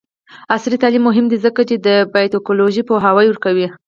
عصري تعلیم مهم دی ځکه چې د بایوټیکنالوژي پوهاوی ورکوي.